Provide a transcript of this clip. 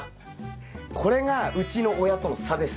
これがうちの親との差です。